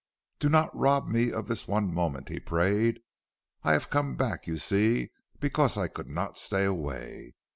"Do not rob me of this one moment," he prayed. "I have come back, you see, because I could not stay away.